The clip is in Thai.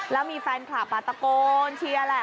แล้วมีแฟนคลับตะโกนเชียร์แหละ